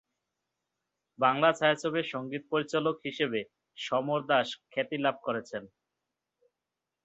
বাংলা ছায়াছবির সঙ্গীত পরিচালক হিসেবে সমর দাস খ্যাতি লাভ করেছেন।